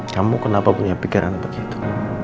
kamu kenapa punya pikiran begitu